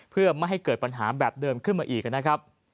เพื่อไม่ให้เกิดปัญหาแบบเดิมขึ้นมาอีกนะครับ